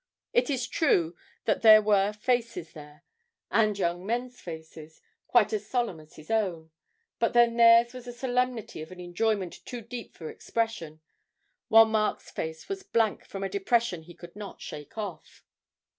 It is true that there were faces there and young men's faces quite as solemn as his own, but then theirs was the solemnity of an enjoyment too deep for expression, while Mark's face was blank from a depression he could not shake off.